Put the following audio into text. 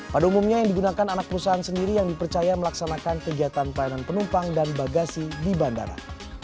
pada umumnya yang digunakan anak perusahaan sendiri yang dipercaya melaksanakan kegiatan pelayanan penumpang dan bagasi di bandara